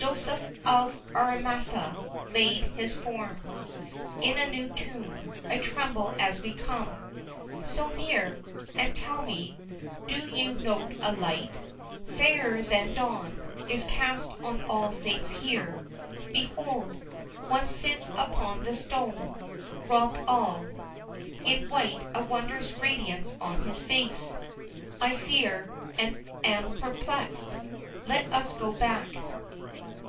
Joseph of Arimathea laid his form In a new tomb. I tremble as we come So near! and tell me, do you note a light, Fairer than dawn, is cast on all things here. Behold! one sits upon the stone, robed all In white, a wondrous radiance on His face, I fear and am perplexed. Let us go back.